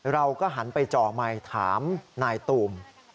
เราก็หันไปจ่อไมค์ถามนายตูม